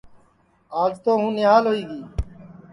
آج تو ہوں نھیال ہوئی گی